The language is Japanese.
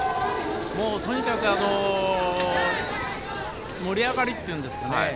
とにかく盛り上がりっていうんですかね